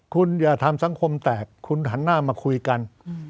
คุณอย่าทำสังคมแตกคุณหันหน้ามาคุยกัน